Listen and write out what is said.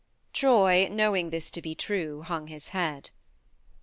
Troy, knowing this to be true, hung his head.